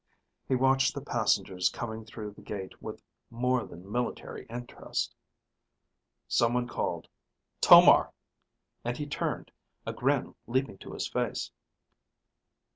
He watched the passengers coming through the gate with more than military interest. Someone called, "Tomar!" And he turned, a grin leaping to his face.